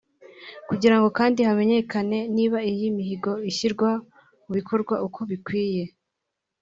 Kugirango kandi hamenyekane niba iyi mihigo ishyirwa mu bikorwa uko bikwiye